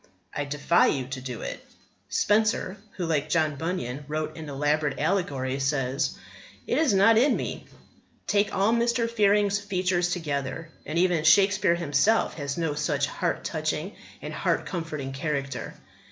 I defy you to do it. Spenser, who, like John Bunyan, wrote an elaborate allegory, says: It is not in me. Take all Mr. Fearing's features together, and even Shakespeare himself has no such heart touching and heart comforting character.